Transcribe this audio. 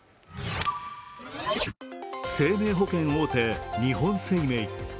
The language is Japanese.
生命保険大手・日本生命。